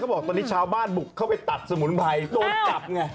บอกตอนนี้ชาวบ้านบุกเข้าไปตัดสมุนไพรโดนจับไง